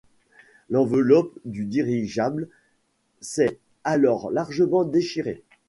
L'enveloppe du dirigeable s'est alors largement déchirée.